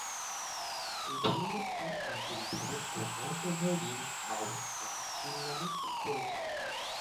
এ ভূমিরূপটি আঞ্চলিকভাবে কোথাও কোথাও বিল, বাঁওড় বা ঝিল নামেও পরিচিত।